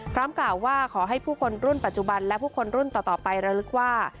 กล่าวว่าขอให้ผู้คนรุ่นปัจจุบันและผู้คนรุ่นต่อไประลึกว่า